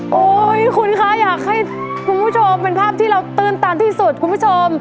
โอ้โหคุณคะอยากให้คุณผู้ชมเป็นภาพที่เราตื้นตันที่สุดคุณผู้ชม